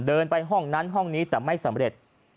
เดินไปห้องนั้นห้องนี้แต่ไม่สำเร็จ